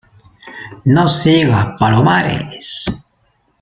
no siga, Palomares.